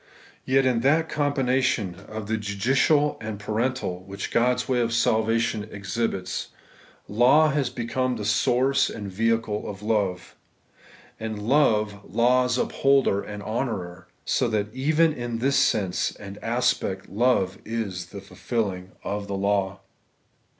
Yet in that combination of the judicial and the paternal, which God's way of salvation exhibits, law has become the source and vehicle of love ; and love law's upholder and lionourer; so that even in this sense and aspect ' love is the fulfilling of the law.'